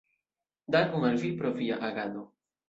Dankon al vi pro via agado!